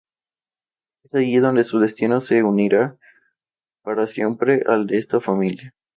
Es allí donde su destino se unirá para siempre al de esta familia.